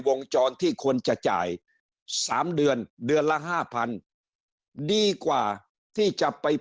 วงจรที่ควรจะจ่าย๓เดือนเดือนละห้าพันดีกว่าที่จะไป